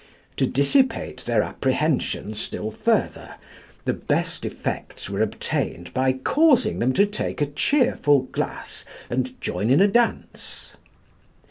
To dissipate their apprehensions still further, the best effects were obtained by causing them to take a cheerful glass and join in a dance.